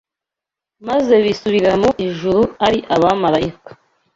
maze bisubirira mu ijuru ari abamarayika